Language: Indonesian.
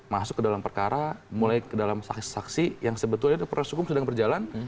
masuk ke dalam perkara mulai ke dalam saksi saksi yang sebetulnya proses hukum sedang berjalan